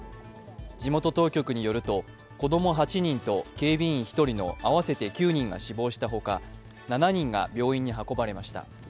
地元当局によると、子供８人と警備員１人の合わせて９人が死亡したほか７人が病院に運ばれました。